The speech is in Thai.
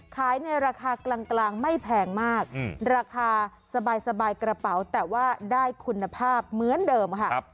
ในราคากลางไม่แพงมากราคาสบายกระเป๋าแต่ว่าได้คุณภาพเหมือนเดิมค่ะ